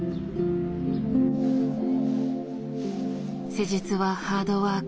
施術はハードワーク。